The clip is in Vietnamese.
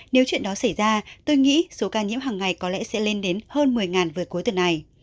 nếu chuyện đó xảy ra tôi nghĩ số ca nhiễm hàng ngày có lẽ sẽ lên đến hơn một mươi về cuối tuần này